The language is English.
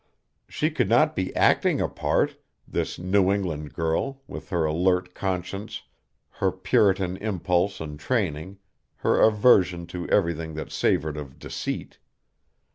She could not be acting a part, this New England girl, with her alert conscience, her Puritan impulse and training, her aversion to everything that savored of deceit.